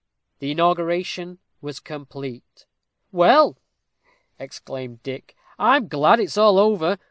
The inauguration was complete. "Well," exclaimed Dick, "I'm glad it's all over.